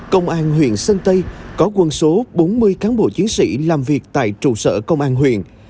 công an huyện sơn tây có quân số bốn mươi cán bộ chiến sĩ làm việc tại trụ sở công an huyện